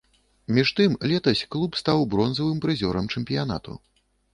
Між тым летась клуб стаў бронзавым прызёрам чэмпіянату.